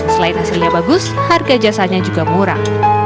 selain hasilnya bagus harga jasanya juga murah